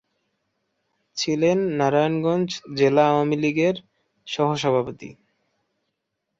ছিলেন নারায়ণগঞ্জ জেলা আওয়ামী লীগের সহসভাপতি।